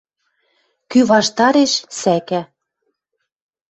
Кӱ ваштареш — сӓкӓ